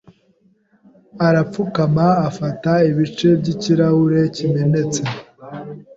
arapfukama afata ibice by'ikirahure kimenetse.